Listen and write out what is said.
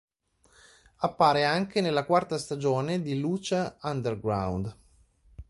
Appare anche nella quarta stagione di Lucha Underground.